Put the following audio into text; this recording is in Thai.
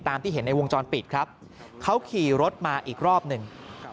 ที่เห็นในวงจรปิดครับเขาขี่รถมาอีกรอบหนึ่ง